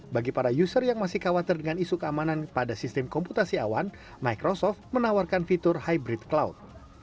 bagi para user yang masih khawatir dengan isu keamanan pada sistem komputasi awan microsoft menawarkan fitur hybrid cloud